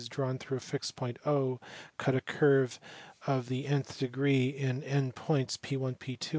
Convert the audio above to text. drawn through a fixed point cut a curve of the nth degree in n points P lt P 3